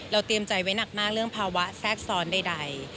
เตรียมใจไว้หนักมากเรื่องภาวะแทรกซ้อนใด